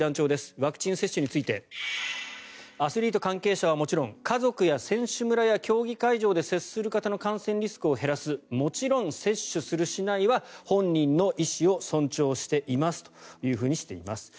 ワクチン接種についてアスリート、関係者はもちろん家族や選手村や競技会場で摂取する方の感染リスクを減らすもちろん接種する、しないは本人の意思を尊重していますとしています。